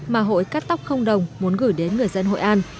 mà hội cắt tóc không đồng muốn gửi đến người dân hội an